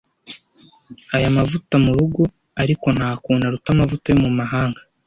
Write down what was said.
Aya mavuta murugo, ariko ntakuntu aruta amavuta yo mumahanga.